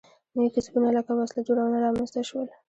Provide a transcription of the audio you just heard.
نوي کسبونه لکه وسله جوړونه رامنځته شول.